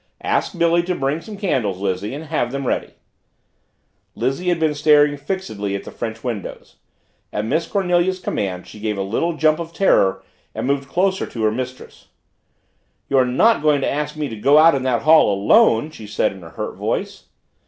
"Ask Billy to bring some candles, Lizzie and have them ready." Lizzie had been staring fixedly at the French windows. At Miss Cornelia's command she gave a little jump of terror and moved closer to her mistress. "You're not going to ask me to go out in that hall alone?" she said in a hurt voice.